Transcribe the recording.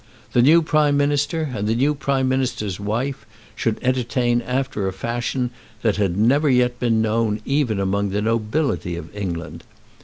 The new Prime Minister and the new Prime Minister's wife should entertain after a fashion that had never yet been known even among the nobility of England.